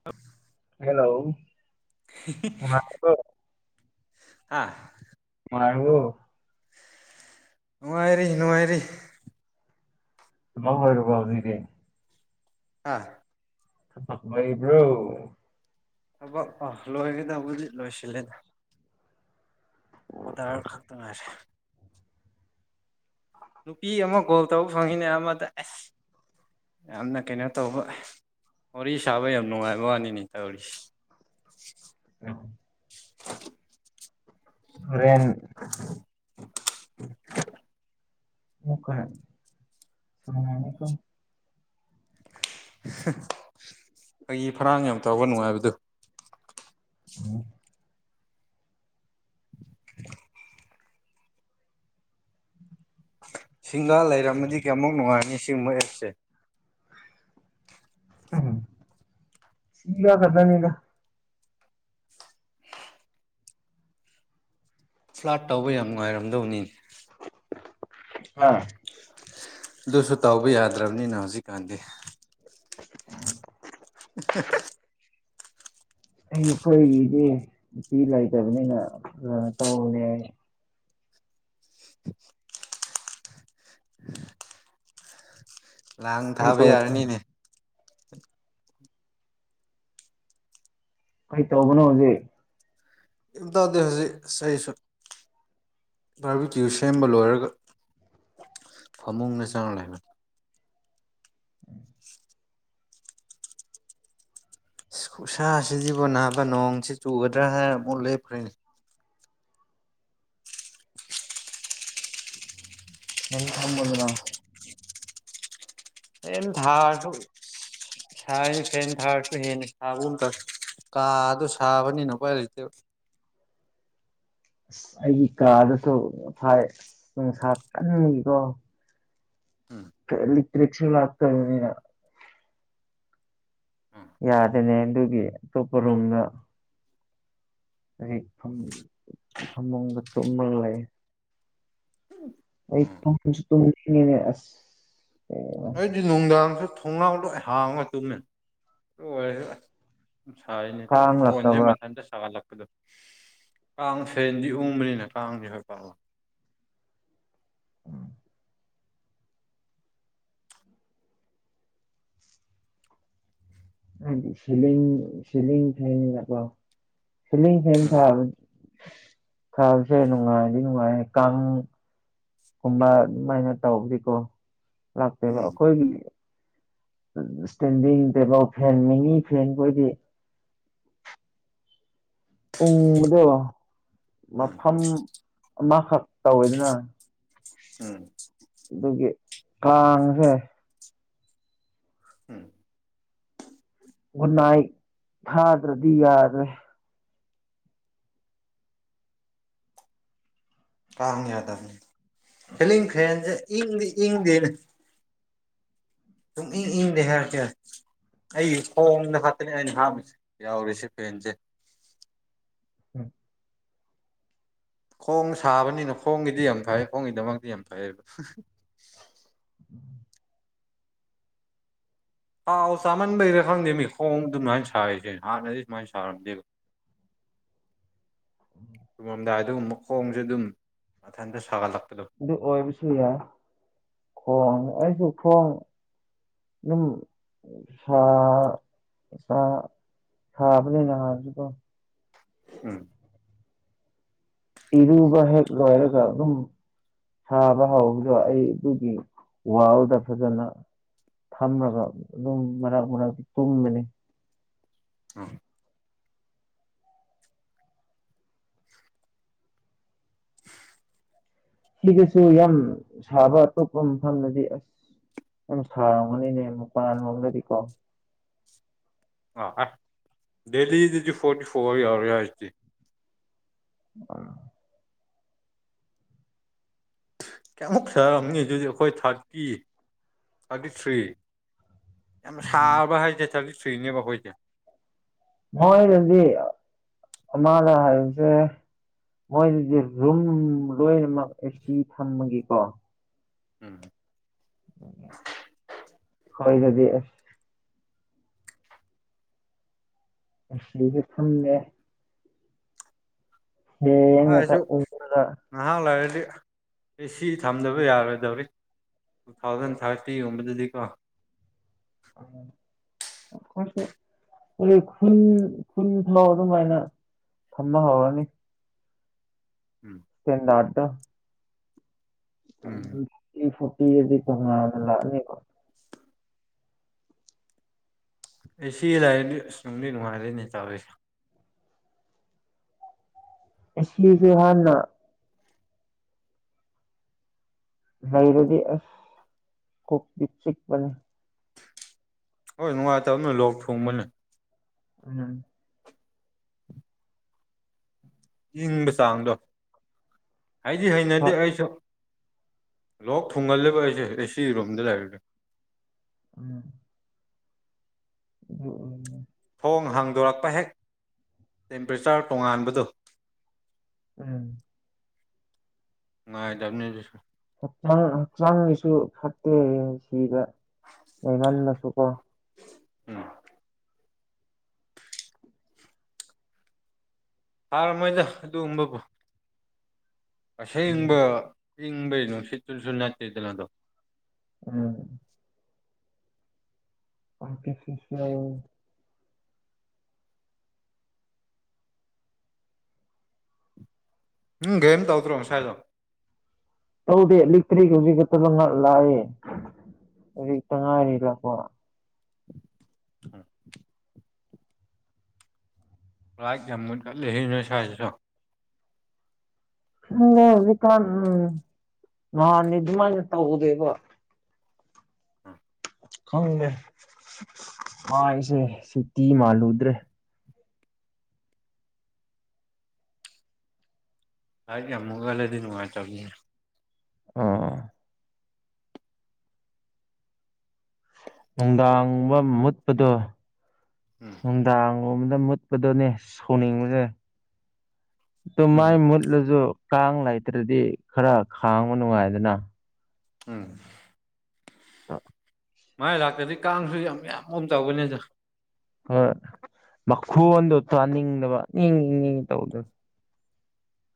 [inaudible] hello ꯅꯨꯡꯉꯥꯏꯔꯤꯕꯣ ꯍꯥꯥ ꯅꯨꯡꯉꯥꯏꯔꯤꯕꯣ ꯅꯨꯡꯉꯥꯏꯔꯤ ꯅꯨꯡꯉꯥꯏꯔꯤ ꯑꯣꯏꯔꯕꯣ ꯑꯗꯨꯗꯤ ꯑꯥ ꯅꯨꯡꯉꯥꯢꯔꯤꯕ꯭ꯔꯣ ꯊꯕꯛ ꯑ ꯂꯣꯏꯔꯦꯗ ꯍꯧꯖꯤꯛ ꯂꯣꯏꯁꯤꯜꯂꯦꯗ ꯑꯣꯗꯔ ꯑꯃꯈꯛꯇ ꯉꯥꯏꯔꯦ ꯅꯨꯄꯤ ꯑꯃ ꯒꯣꯜ ꯇꯧꯕ ꯐꯪꯉꯤꯅꯦ ꯑꯃꯗ ꯑꯁ ꯌꯥꯝꯅ ꯀꯩꯅꯣ ꯇꯧꯕ ꯋꯥꯔꯤ ꯁꯥꯕ ꯌꯥꯝ ꯅꯨꯡꯉꯥꯏꯕ ꯋꯥꯅꯤꯅꯦ ꯇꯧꯔꯤꯁ ꯑ [inaudible] ꯍꯣꯔꯦꯟ [unintelligible] [inaudible] ꯐꯒꯤ ꯐꯔꯥꯡ ꯌꯥꯝ ꯇꯧꯕ ꯅꯨꯡꯉꯥꯏꯕꯗꯨ ꯎꯝ [unintelligible] ꯁꯤꯡꯒꯥ ꯂꯩꯔꯝꯃꯗꯤ ꯀꯌꯥꯃꯨꯛ ꯅꯨꯡꯉꯥꯏꯅꯤ ꯁꯤꯒꯨꯝꯕ ꯑꯦꯞꯁꯦ ꯎꯝ ꯁꯤꯒ ꯐꯗꯥꯅꯤꯅ ꯐ꯭ꯂꯥꯠ ꯇꯧꯕ ꯌꯥꯝ ꯅꯨꯡꯉꯥꯏꯔꯝꯗꯧꯅꯤ ꯑꯥ ꯑꯗꯨꯁꯨ ꯇꯧꯕ ꯌꯥꯗ꯭ꯔꯕꯅꯤꯅ ꯍꯧꯖꯤꯛꯀꯥꯟꯗꯤ ꯎꯝ [inaudible] ꯑꯩꯈꯣꯏꯒꯤꯗꯤ ꯅꯨꯄꯤ ꯂꯩꯇꯕꯅꯤꯅ ꯇꯧꯔꯦ [unintelligible] [unintelligible] ꯂꯥꯡ ꯀꯩ ꯊꯥꯕ ꯇꯧ ꯌꯥꯔꯅꯤꯅꯦ ꯀꯩ ꯇꯧꯕꯅꯣ ꯍꯧꯖꯤꯛ ꯀꯩꯝ ꯇꯧꯗꯦ ꯍꯧꯖꯤꯛ ꯑꯩꯁꯨ ꯕꯥꯔꯕꯤꯀ꯭ꯌꯨ ꯁꯦꯝꯕ ꯂꯣꯏꯔꯒ ꯐꯃꯨꯡꯅ ꯆꯪꯅ ꯂꯩꯅꯩ ꯈꯨꯁꯥꯁꯤꯗꯤꯕꯨ ꯅꯥꯕ ꯅꯣꯡꯁꯤ ꯆꯨꯒꯗ꯭ꯔꯥ ꯍꯥꯏꯅ ꯑꯃꯨꯛ ꯂꯦꯞꯈ꯭ꯔꯦꯅꯤ ꯁꯦꯟ ꯊꯝꯃꯅꯤꯅ ꯐꯦꯟ ꯊꯥꯔꯁꯨ ꯁꯥꯏ ꯐꯦꯟ ꯊꯔꯁꯨ ꯍꯦꯟꯅ ꯁꯥꯕꯒꯨꯝ ꯇꯧꯏ ꯀꯥ ꯑꯗꯨ ꯁꯥꯕꯅꯤꯅꯀꯤ ꯂꯩꯇꯦ ꯑꯁ ꯑꯩꯒꯤ ꯀꯥꯗꯁꯨ ꯐꯥꯏ ꯅꯨꯡꯁꯥ ꯀꯟꯀꯣ ꯎꯝ ꯐꯦꯂꯤꯛꯇꯔꯦꯛꯁꯨ ꯂꯥꯛꯇꯕꯅꯤꯅ ꯎꯝ ꯌꯥꯗꯦꯅꯦ ꯑꯗꯨꯒꯤ ꯑꯇꯣꯞꯄꯔꯣꯝꯗ ꯑꯩ ꯐꯝ ꯐꯃꯨꯡꯗ ꯇꯨꯝꯃꯒ ꯂꯩꯌꯦ [unintelligible] [unintelligible] ꯑꯩꯗꯤ ꯅꯨꯡꯗꯥꯡꯖꯨ ꯊꯣꯡꯅꯥꯎ ꯂꯣꯏ ꯍꯥꯡꯉ ꯇꯨꯝꯃꯦ ꯑꯣꯏꯔ ꯎꯝ ꯁꯥꯏꯌꯦꯅꯦ ꯇꯥꯏ ꯀꯥꯡ ꯐꯣꯟꯖꯦ ꯂꯥꯛꯇꯕ꯭ꯔꯥ ꯃꯊꯟꯗ ꯁꯥꯒꯂꯛ ꯀꯥꯡ ꯐꯦꯟꯗꯤ ꯎꯪꯕꯅꯤꯅ ꯀꯥꯡꯗꯤ ꯈꯔ ꯐꯥꯕ ꯎꯝ ꯑꯩꯗꯤ ꯁꯤꯂꯤꯡ ꯁꯤꯂꯤꯡ ꯐꯦꯟꯅꯤꯅꯀꯣ ꯁꯤꯂꯤꯡ ꯐꯦꯟ ꯎꯝ ꯊꯥꯕꯖꯦ ꯊꯕꯁꯦ ꯅꯨꯡꯉꯥꯏꯗꯤ ꯅꯨꯡꯉꯥꯏꯌꯦ ꯀꯥꯡ ꯨꯑꯃ ꯑꯗꯨꯃꯥꯏꯅ ꯇꯧꯕꯗꯤꯀꯣ ꯈꯔ ꯐꯩꯕ ꯎꯝ ꯑꯩꯈꯣꯏ ꯎꯝ ꯏꯁꯇꯦꯟꯗꯤꯡ ꯇꯦꯕꯜ ꯐꯦꯟ ꯃꯤꯅꯤ ꯐꯦꯟ ꯈꯣꯏꯗꯤ ꯎꯨꯡꯕꯗꯣ ꯎꯝ ꯃꯐꯝ ꯑꯃꯈꯛ ꯇꯧꯋꯦꯗꯅ ꯎꯝ ꯑꯗꯨꯒꯤ ꯀꯥꯡꯖꯦ ꯎꯝ ꯒꯨꯠ ꯅꯥꯏꯠ ꯊꯥꯗ꯭ꯔꯗꯤ ꯌꯥꯗ꯭ꯔꯦ ꯀꯥꯡ ꯌꯥꯗꯕꯅꯤ ꯁꯤꯂꯤꯡ ꯐꯦꯟꯖꯦ ꯏꯪꯗꯤ ꯏꯪꯗꯦꯅꯦ [unintelligible] ꯑꯩ ꯈꯣꯡꯗ ꯈꯛꯇꯅꯦ ꯑꯩꯅ ꯊꯥꯎꯏꯁꯦ ꯌꯥꯎꯔꯤꯁꯦ ꯐꯦꯟꯁꯦ ꯎꯝ ꯈꯣꯡ ꯁꯥꯕꯅꯤꯅ ꯈꯣꯡꯒꯤꯗꯤ ꯌꯥꯝ ꯐꯩ ꯈꯣꯡꯒꯤꯗꯃꯛꯇꯤ ꯌꯥꯝ ꯐꯩꯕ ꯊꯥꯎ ꯆꯥꯝꯃꯟꯕꯩꯔꯥ ꯈꯪꯗꯦꯃꯤ ꯈꯣꯡ ꯑꯗꯨꯃꯥꯏꯅ ꯁꯥꯔꯤꯁꯦ ꯍꯥꯟꯅꯗꯤ ꯁꯨꯃꯥꯏꯅ ꯁꯥꯔꯝꯗꯦꯕ ꯇꯨꯝꯃꯝꯗꯥꯏꯗꯎꯝ ꯃꯈꯣꯡꯖꯦ ꯑꯗꯨꯝ ꯃꯊꯟꯇ ꯁꯥꯒꯠꯂꯛꯄꯗꯣ ꯑꯗꯨ ꯑꯣꯏꯕꯁꯨ ꯌꯥꯏ ꯈꯣꯡ ꯑꯩꯒꯤ ꯈꯣꯡ ꯑꯗꯨꯝ ꯁꯥꯥ ꯁꯥ ꯁꯥꯥꯕꯅꯤ ꯅꯍꯥꯟꯖꯨꯀꯣ ꯎꯝ ꯏꯔꯨꯕ ꯍꯦꯛ ꯂꯣꯏꯔꯒ ꯑꯗꯨꯝ ꯁꯥꯕ ꯍꯧꯕꯗ ꯑꯩ ꯑꯗꯨꯒꯤ ꯋꯥꯔꯜꯗ ꯐꯖꯅ ꯊꯝꯔꯒ ꯑꯗꯨꯝ ꯃꯔꯛ ꯃꯔꯛꯇ ꯇꯨꯝꯕꯅꯤ ꯎꯝ ꯁꯤꯗꯁꯨ ꯌꯥꯝ ꯁꯥꯕ ꯑꯇꯣꯞꯄ ꯃꯐꯝꯗꯗꯤ ꯑꯁ ꯖꯅ ꯁꯥꯔꯝꯒꯅꯤꯅꯦ ꯃꯄꯥꯟ ꯂꯣꯝꯗꯗꯤ ꯀꯣ ꯑ ꯑꯥꯏ ꯗꯦꯂꯤꯗꯗꯤ ꯐꯣꯔꯇꯤ ꯐꯣꯔ ꯌꯥꯎꯔꯦ ꯍꯥꯏꯖꯤꯗꯤ ꯎꯝ ꯀꯌꯥꯃꯨꯛ ꯁꯥꯔꯝꯅꯤ ꯑꯗꯨꯗꯤ ꯑꯈꯣꯏ ꯊꯥꯔꯇꯤ ꯊꯥꯔꯇꯤ ꯊ꯭ꯔꯤ ꯌꯥꯝ ꯎꯝ ꯁꯥꯔꯕ ꯍꯥꯏꯖꯦ ꯊꯥꯔꯇꯤ ꯊ꯭ꯔꯤꯅꯦꯕ ꯑꯈꯣꯏꯗꯤ ꯃꯣꯏꯅꯗꯤ ꯑ ꯑꯃꯥꯅ ꯍꯥꯏꯕꯖꯦ ꯃꯣꯏꯗꯗꯤ ꯗꯨꯝ ꯂꯣꯏꯅꯃꯛ ꯑꯦꯁꯤ ꯊꯝꯕꯒꯤꯀꯣ ꯎꯝ ꯑꯩꯈꯣꯏꯗꯗꯤ ꯑꯁ ꯑꯦꯁꯤꯖꯨ ꯊꯝꯗꯦ ꯐꯦꯟ ꯉꯥꯛꯇ ꯎꯪꯍꯜꯂ ꯉꯍꯥꯛ ꯂꯩꯔꯗꯤ ꯑꯦꯁꯤ ꯊꯝꯗꯕ ꯌꯥꯔꯣꯏꯗꯧꯔꯤ ꯇꯨꯊꯥꯎꯖꯟ ꯊꯥꯔꯇꯤꯒꯨꯝꯕꯗꯗꯤ ꯀꯣ ꯎꯝ ꯑꯈꯣꯏꯁꯨ ꯑꯗꯩ ꯈꯨꯟ ꯈꯨꯟꯐꯥꯎ ꯑꯗꯨꯃꯥꯏꯅ ꯊꯝꯕ ꯍꯧꯔꯅꯤ ꯎꯝ ꯐꯦꯟꯗꯥꯠꯇꯣ ꯎꯝ ꯈꯤꯇꯡꯗꯤ ꯄꯤꯁꯨ ꯄꯤꯔꯗꯤ ꯇꯣꯡꯉꯥꯟꯅ ꯂꯥꯛꯅꯦꯕ ꯑꯩ ꯁꯤ ꯂꯩꯔꯗꯤ ꯑꯁ ꯅꯨꯡꯗꯤ ꯅꯨꯡꯉꯥꯏꯔꯅꯤ ꯇꯧꯔꯤꯁꯦ ꯑꯁꯤꯖꯦ ꯍꯥꯟꯅ ꯂꯩꯔꯗꯤ ꯑꯁ ꯀꯣꯛꯇꯤ ꯆꯤꯛꯄꯅꯦ ꯍꯣꯏ ꯅꯨꯡꯉꯥꯏꯇꯕꯅꯦ ꯂꯣꯛ ꯊꯨꯡꯕꯅꯦ ꯎꯝ ꯏꯪꯕ ꯆꯥꯡꯗꯣ ꯑꯩꯗꯤ ꯍꯩꯅꯗꯦ ꯍꯣꯏ ꯑꯩꯁꯨ ꯂꯣꯛ ꯊꯨꯡꯒꯜꯂꯦꯕ ꯑꯩꯁꯦ ꯑꯦꯁꯤ ꯔꯨꯝꯗ ꯂꯩꯔꯗꯤ ꯎꯝ ꯎꯝ ꯎꯝ ꯊꯣꯡ ꯍꯥꯡꯗꯣꯔꯛꯄ ꯍꯦꯛ ꯇꯦꯝꯄꯔꯦꯆ꯭ꯔ ꯇꯣꯡꯉꯥꯟꯕꯗꯣ ꯎꯝ ꯉꯥꯏꯗꯕꯅꯦ ꯑꯗꯨꯁꯨ ꯍꯛꯆꯥꯡ ꯍꯛꯆꯥꯡꯒꯤꯁꯨ ꯐꯠꯇꯦ ꯁꯤꯕ ꯂꯩꯃꯟꯂꯁꯨꯀꯣ ꯎꯝ ꯊꯥꯔꯝꯃꯣꯏꯗ ꯑꯗꯨꯒꯨꯝꯕꯕꯨ ꯎꯝ ꯑꯁꯦꯡꯕ ꯏꯪꯕꯩ ꯅꯨꯡꯁꯤꯠꯇꯨꯖꯨ ꯅꯠꯇꯦꯗꯅ ꯑꯗꯣ ꯎꯝ ꯄꯥꯡꯇꯤ ꯁꯤꯁꯋꯦꯜ ꯎꯝ ꯒꯦꯝ ꯇꯧꯗ꯭ꯔꯣ ꯉꯁꯥꯏꯗꯣ ꯇꯧꯗꯦ ꯂꯤꯛꯇ꯭ꯔꯤ ꯍꯧꯖꯤꯛꯈꯛꯇꯡꯒ ꯉꯥꯛ ꯂꯥꯛꯑꯦ ꯍꯧꯖꯤꯛꯇ ꯉꯥꯏꯔꯤ ꯂꯥꯛꯄ ꯑꯣ ꯔꯥꯏꯛ ꯌꯥꯝ ꯃꯨꯠꯀꯜꯂꯦꯍꯦ ꯅꯣꯏ ꯁ꯭ꯋꯥꯏꯗꯖꯨ ꯎꯝꯅꯦ ꯍꯧꯖꯤꯀꯥꯟ ꯎꯝ ꯅꯍꯥꯟꯗꯤ ꯑꯗꯨꯃꯥꯏꯅ ꯇꯧꯗꯦꯕ ꯑꯥ ꯈꯪꯗꯦ ꯃꯥꯏꯁꯦ ꯁꯤꯇꯤ ꯃꯥꯜꯂꯨꯗ꯭ꯔꯦ ꯂꯥꯏꯠ ꯌꯥꯝ ꯃꯨꯠꯀꯜꯂꯗꯤ ꯅꯨꯡꯉꯥꯏꯇꯕꯅꯤꯅꯦ ꯑꯣ ꯑꯣ ꯅꯨꯡꯗꯥꯡꯕ ꯃꯨꯠꯄꯗꯣ ꯎꯝ ꯅꯨꯡꯗꯥꯡꯒꯨꯝꯕꯗ ꯃꯨꯠꯄꯗꯨꯅꯦ ꯁꯧꯅꯤꯡꯕꯖꯦ ꯑꯗꯨ ꯎꯝ ꯃꯥꯏ ꯃꯨꯠ ꯑꯗꯨꯖꯨ ꯀꯥꯡ ꯂꯩꯇ꯭ꯔꯗꯤ ꯈꯔ ꯈꯥꯡꯕ ꯅꯨꯡꯉꯥꯏꯗꯅ ꯎꯝ ꯇ ꯃꯥꯏ ꯂꯥꯛꯇꯗꯤ ꯀꯥꯡꯁꯨ ꯌꯥꯝ ꯌꯥꯝꯕꯒꯨꯝ ꯇꯧꯕꯅꯤꯗ ꯍꯣꯏ ꯃꯈꯣꯟꯗꯣ ꯇꯥꯅꯤꯡꯗꯕ ꯅꯤꯡ ꯅꯤꯡ ꯅꯤꯡ ꯇꯧꯕꯗꯣ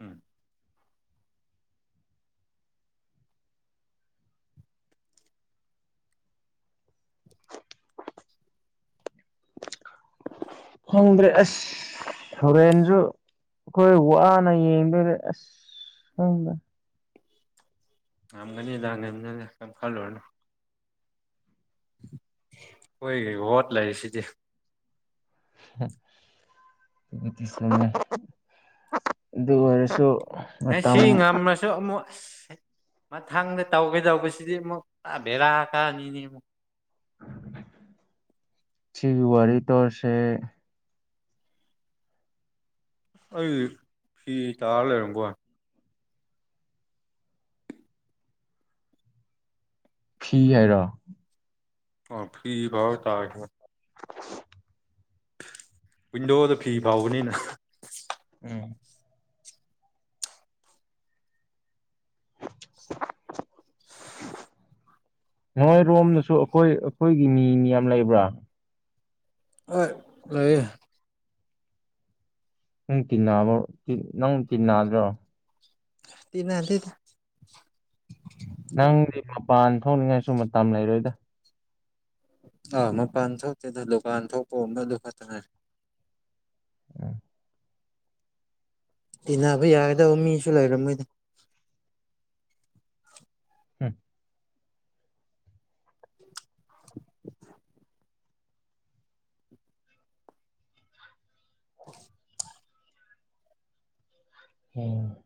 ꯎꯝ [inaudible] ꯈꯪꯗ꯭ꯔꯦ ꯑꯁ ꯍꯣꯔꯦꯟꯖꯨ ꯑꯩꯈꯣꯏ ꯋꯥꯅ ꯌꯦꯡꯗꯣꯏꯅꯦ ꯑꯁ ꯈꯪꯗ꯭ꯔꯦ ꯉꯝꯒꯅꯤꯗ ꯉꯝꯅꯅ ꯀꯩꯝ ꯈꯜꯂꯨꯔꯅ ꯈꯣꯏꯒꯤ ꯋꯠ ꯂꯩꯔꯤꯁꯤꯗꯤ ꯑꯗꯨ ꯑꯣꯏꯔꯁꯨ ꯉꯁꯤ ꯃꯇꯝ ꯉꯝꯔ ꯁꯨ ꯑꯃꯨꯛ ꯑꯁ ꯃꯊꯪꯗ ꯇꯧꯒꯗꯧꯕꯁꯤꯗꯤ ꯑꯃꯨꯛ ꯕꯦꯔꯥ ꯀꯥꯅꯤꯅꯦ ꯑꯃꯨꯛ ꯁꯤꯒꯤ ꯋꯥꯔꯤ ꯇꯧꯔꯁꯦ ꯑꯩ ꯐꯤ ꯇꯥꯔ ꯂꯩꯔꯝꯕꯣ ꯐꯤ ꯍꯥꯏꯔꯣ ꯑꯣ ꯐꯤ ꯐꯧꯔ ꯇꯥꯔ [unintelligible] ꯋꯤꯟꯗꯣꯗ ꯐꯤ ꯐꯥꯎꯕꯅꯤꯅ ꯎꯝ ꯅꯣꯏ ꯔꯣꯝꯗꯁꯨ ꯑꯩꯈꯣꯏ ꯑꯩꯈꯣꯏꯒꯤ ꯃꯤ ꯃꯤ ꯌꯥꯝ ꯂꯩꯕ꯭ꯔꯥ ꯍꯣꯏ ꯂꯩꯌꯦ ꯅꯪ ꯇꯤꯟꯅꯕ ꯅꯪ ꯇꯤꯟꯅꯗ꯭ꯔꯣ ꯇꯅꯗꯦꯗ ꯅꯪꯗꯤ ꯃꯄꯥꯟ ꯊꯣꯛꯅꯤꯡꯉꯥꯏꯁꯨ ꯃꯇꯝ ꯂꯩꯔꯣꯏꯗ ꯑꯥ ꯃꯄꯥꯟ ꯊꯣꯛꯇꯦꯗ ꯗꯨꯀꯥꯟ ꯊꯣꯛꯄꯕꯗꯨ ꯈꯛꯇꯅꯔꯦ ꯇꯤꯟꯅꯕ ꯌꯥꯒꯗꯧꯕ ꯃꯤꯁꯨ ꯂꯩꯔꯝꯃꯣꯏꯗ ꯍꯝ [unintelligible] [unintelligible] ꯎꯝ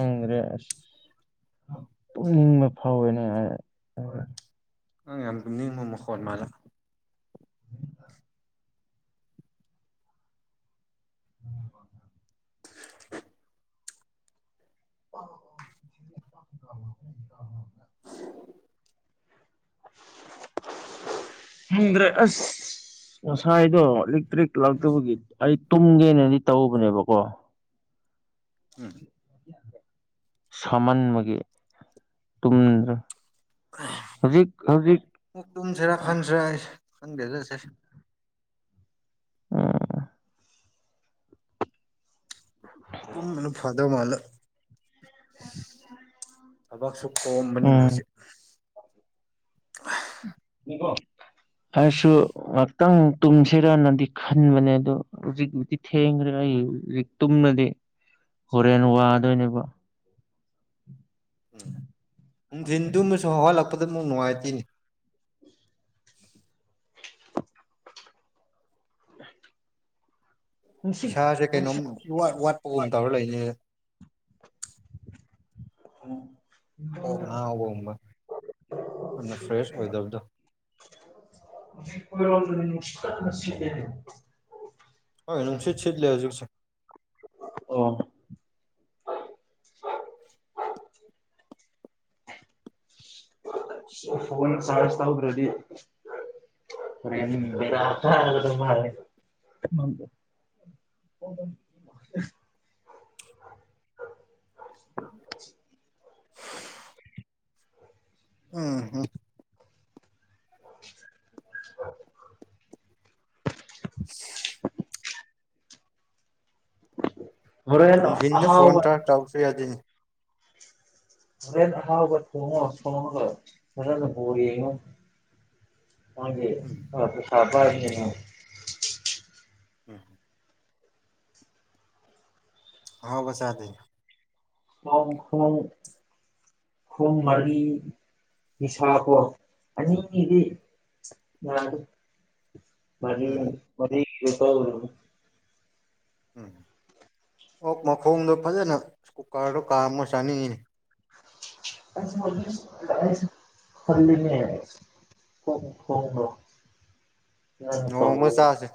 ꯑꯪꯒ꯭ꯔꯦꯁ ꯇꯨꯝꯅꯤꯡꯕ ꯐꯥꯎꯋꯦꯅꯦ ꯑꯪ ꯌꯥꯝ ꯇꯨꯝꯅꯤꯡꯕ ꯃꯈꯣꯜ ꯃꯥꯂꯦ ꯎꯝ [unintelligible] [unintelligible] [unintelligible] ꯍꯪꯗ꯭ꯔꯦ ꯑꯁ ꯉꯁꯥꯏꯗꯣ ꯏꯛꯇ꯭ꯔꯤꯛ ꯂꯇꯕꯒꯤ ꯑꯩ ꯇꯨꯝꯒꯦꯅꯗꯤ ꯇꯧꯕꯅꯦꯕꯀꯣ ꯎꯝ ꯁꯃꯥꯟ ꯃꯒꯤ ꯇꯨꯝꯗ꯭ꯔꯦ ꯍꯧꯖꯤꯛ ꯍꯧꯖꯤꯛ ꯃꯨꯛ ꯇꯨꯝꯁꯤꯔꯥ ꯈꯟꯁꯤꯔꯥ ꯑꯩ ꯈꯪꯗꯦ ꯆꯁꯦ [inaudible] ꯇꯨꯝꯕꯅ ꯐꯥꯗꯣ ꯃꯥꯜꯂꯦ ꯊꯕꯛꯁꯨ ꯀꯣꯝ ꯃꯅꯤ ꯎꯝ ꯍꯧꯖꯤꯛ ꯎꯀꯣ [unintelligible] ꯍꯥꯏꯔꯁꯨ ꯉꯥꯏꯍꯥꯛꯇꯪ ꯇꯨꯝꯁꯤꯔꯅꯗꯤ ꯈꯟꯕꯅꯦ ꯑꯗꯣ ꯍꯧꯖꯤꯛ ꯊꯦꯡꯈ꯭ꯔꯦ ꯑꯩ ꯍꯧꯖꯤꯛ ꯇꯨꯝꯅꯗꯤ ꯍꯣꯔꯦꯟ ꯋꯥꯗꯣꯏꯅꯦꯕ ꯎꯝ ꯅꯨꯡꯊꯤꯟ ꯑꯨꯝꯃꯁꯨ ꯍꯧꯍꯠꯂꯛꯄꯗ ꯑꯃꯨꯛ ꯅꯨꯡꯉꯥꯏꯇꯦꯅꯤ [inaudible] ꯅꯨꯡꯁꯤꯠ ꯏꯁꯥꯁꯦ ꯀꯩꯅꯣꯝ ꯅꯨꯡꯁꯤꯠ ꯏꯋꯥꯠ ꯋꯥꯠꯄꯒꯨꯝ ꯇꯧꯔ ꯂꯩꯅꯤ ꯎꯝ ꯀꯣꯛ ꯉꯥꯎꯕꯒꯨꯝꯕ ꯌꯥꯝꯅ ꯐ꯭ꯔꯦꯁ ꯑꯣꯏꯗꯕꯗꯣ ꯍꯧꯖꯤꯛ ꯈꯣꯏꯔꯣꯝꯗꯗꯤ ꯅꯨꯡꯁꯤꯠ ꯀꯠꯅ ꯁꯤꯠꯂꯦꯅꯦ ꯅꯨꯡꯁꯤꯠ ꯁꯤꯠ ꯂꯦ ꯍꯧꯖꯤꯛꯁꯦ ꯑꯣ ꯐꯣꯟ ꯆꯥꯖ ꯇꯎꯗ꯭ꯔꯦꯗꯤ ꯍꯧꯔꯦꯟ ꯕꯦꯔ ꯀꯔꯒꯗꯧ ꯃꯥꯜꯂꯦ ꯑꯣ [unintelligible] ꯎꯝ [inaudible] [inaudible] ꯍꯣꯔꯦꯟ ꯅ ꯐꯣꯟ ꯑꯍꯥꯎꯕ ꯇ ꯆꯥꯎꯥꯎꯁ ꯌꯥꯗꯅꯤ ꯑ ꯍꯥꯎ ꯊꯣꯡꯉ ꯊꯉꯒꯣ ꯎꯝ ꯍ ꯁꯥꯥ ꯎꯝ ꯍꯝ ꯍꯥꯎꯕꯁ ꯌꯥꯗꯅ ꯑꯣ ꯍꯣꯏ ꯈꯣꯡ ꯃꯔꯤ ꯅꯤꯁꯥ ꯀꯣ ꯑꯅꯤꯒꯤꯗꯤ ꯃꯥ ꯎꯝ ꯃ ꯌꯄꯥ ꯑꯣꯏ ꯎꯝ ꯑꯣ ꯃꯈꯣꯡꯗꯣ ꯐꯖꯅ ꯀꯨꯀꯥꯔꯗꯣ ꯀꯥ ꯑꯃ ꯆꯥꯅꯤꯡꯉꯤꯅꯤ ꯍꯜ ꯍ ꯅꯣꯡꯃ ꯍ ꯆꯥꯁꯦ